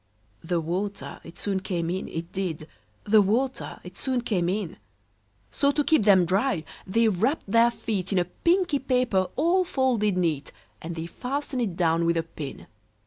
The water it soon came in, it did; The water it soon came in: So, to keep them dry, they wrapped their feet In a pinky paper all folded neat; And they fastened it down with a pin.